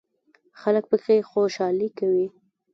خلک پکې خوشحالي کوي.